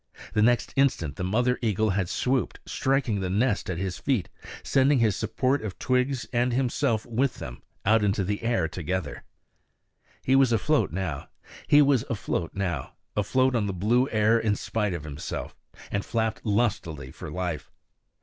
The next instant the mother eagle had swooped, striking the nest at his feet, sending his support of twigs and himself with them out into the air together. He was afloat now, afloat on the blue air in spite of himself, and flapped lustily for life.